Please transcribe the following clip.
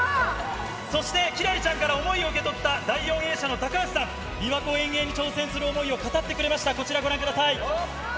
そして輝星ちゃんから思いを受け取った第４泳者の高橋さん、びわ湖遠泳に挑戦する思いを語ってくれました。